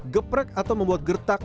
geprek atau membuat gertak